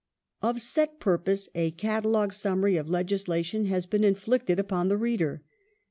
General Of set purpose, a catalogue summary of legislation has been character jnflicted upon the reader.